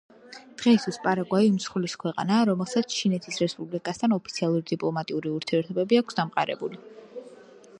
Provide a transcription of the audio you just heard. დღეისათვის, პარაგვაი უმსხვილესი ქვეყანაა, რომელსაც ჩინეთის რესპუბლიკასთან ოფიციალური დიპლომატიური ურთიერთობები აქვს დამყარებული.